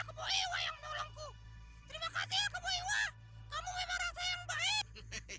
keboiwa yang nolongku terima kasih kamu iwa kamu memang sayang baik